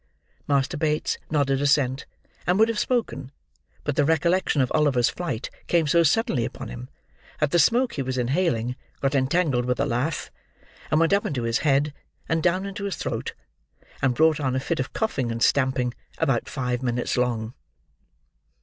Master Bates nodded assent, and would have spoken, but the recollection of Oliver's flight came so suddenly upon him, that the smoke he was inhaling got entangled with a laugh, and went up into his head, and down into his throat: and brought on a fit of coughing and stamping, about five minutes long.